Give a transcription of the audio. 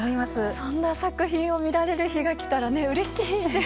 そんな作品を見られる日が来たら、うれしいです。